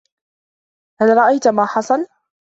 هل رأيت ما حصل؟